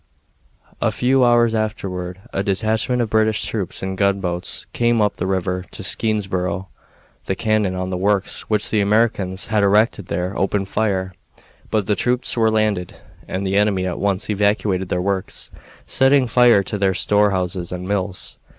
A few hours afterward a detachment of British troops in gunboats came up the river to Skenesborough. The cannon on the works which the Americans had erected there opened fire, but the troops were landed, and the enemy at once evacuated their works, setting fire to their store houses and mills.